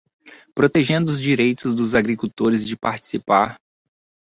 Protegendo os direitos dos agricultores de participar